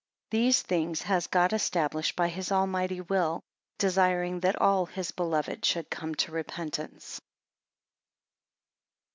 15 These things has God established by his Almighty will, desiring that all his beloved should come to repentance.